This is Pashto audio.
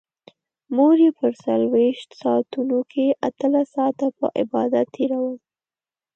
مور يې په څلرويشت ساعتونو کې اتلس ساعته په عبادت تېرول.